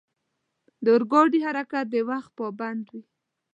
د اورګاډي حرکت د وخت پابند وي.